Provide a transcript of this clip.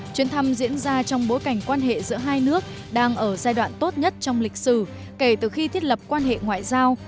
chuyến thăm diễn ra trong bối cảnh quan hệ giữa hai nước đang ở giai đoạn tốt nhất trong lịch sử kể từ khi thiết lập quan hệ ngoại giao